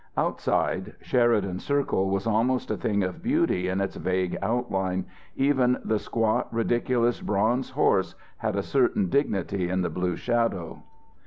Outside, Sheridan Circle was almost a thing of beauty in its vague outline; even the squat ridiculous bronze horse had a certain dignity in the blue shadow.